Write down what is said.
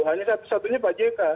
hanya satu satunya pak jk